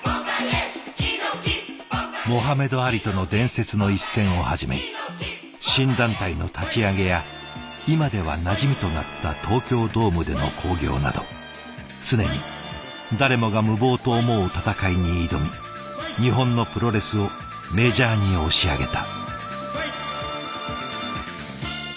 モハメド・アリとの伝説の一戦をはじめ新団体の立ち上げや今ではなじみとなった東京ドームでの興行など常に誰もが無謀と思う戦いに挑み日本のプロレスをメジャーに押し上げた。